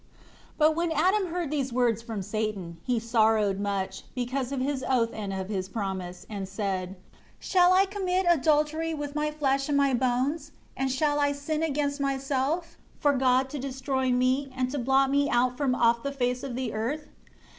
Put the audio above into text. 1 But when Adam heard these words from Satan, he sorrowed much, because of his oath and of his promise, and said, "Shall I commit adultery with my flesh and my bones, and shall I sin against myself, for God to destroy me, and to blot me out from off the face of the earth?